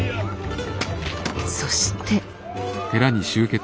そして。